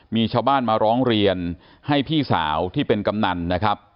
มีชาวบ้านมาร้องเรียนให้พี่สาวที่เป็นกำนันนะครับ